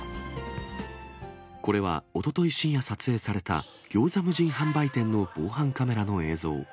これは、おととい深夜、撮影されたギョーザ無人販売店の防犯カメラの映像。